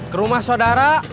ke rumah sodara